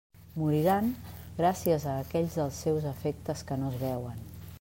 Moriran gràcies a aquells dels seus efectes que no es veuen.